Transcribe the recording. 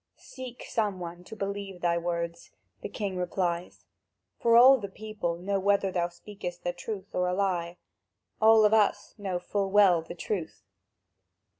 "Seek some one to believe thy words!" the king replies, "for all the people know whether thou speakest the truth or a lie. All of us know full well the truth."